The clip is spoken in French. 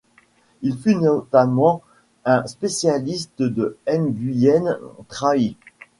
Il fut notamment un spécialiste de Nguyễn Trãi.